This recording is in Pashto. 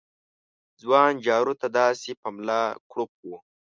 ځوان جارو ته داسې په ملا کړوپ و